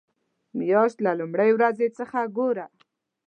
مياشت له لومړۍ ورځې څخه ګوره.